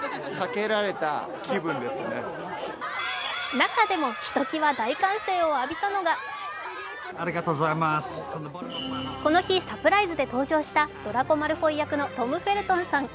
中でも、ひときわ大歓声を浴びたのが、この日、サプライズで登場したドラコ・マルフォイ役のトム・フェルトンさん。